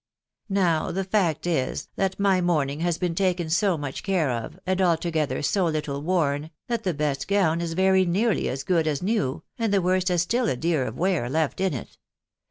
Now the fact is, that my mourning has been taken so much care of, and altogether so little worn, that the best gown is very nearly as good as new, and the worst has still a deal of wear left in it.